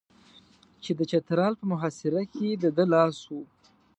چې د چترال په محاصره کې د ده لاس و.